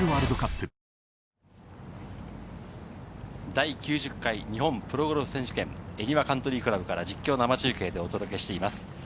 第９０回日本プロゴルフ選手権、恵庭カントリー倶楽部から実況生中継でお届けしています。